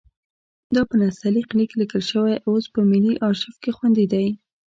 دا په نستعلیق لیک لیکل شوی اوس په ملي ارشیف کې خوندي دی.